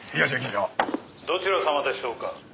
「どちら様でしょうか」